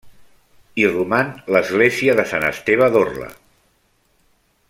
Hi roman l'església de Sant Esteve d'Orla.